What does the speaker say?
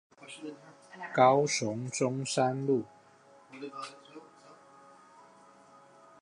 高雄市中山路